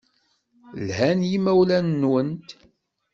Lhan yimawlan-nwent.